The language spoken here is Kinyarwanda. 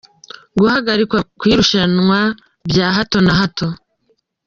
Guhagarikwa kw’irushanwa bya hato na hato.